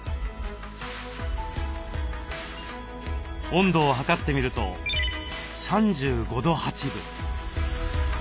温度を測ってみると３５度８分。